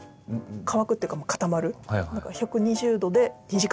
乾くっていうか固まる。